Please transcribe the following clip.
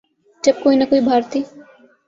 جب کوئی نہ کوئی بھارتی